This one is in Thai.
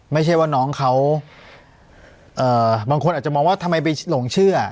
ไม่ใช่ว่าน้องเขาบางคนอาจจะมองว่าทำไมไปหลงเชื่อ